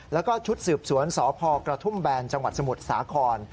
แล้วก็ชุดสืบสวนสพกระทุ่มแบนจังหวัดสมุทรสาคร